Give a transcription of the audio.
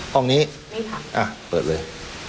ห้องนี้นี่ค่ะอ่ะเปิดเลย